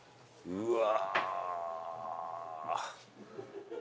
うわ。